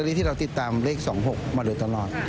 รถที่เราติดตามเลข๒๖มาเลยตลอด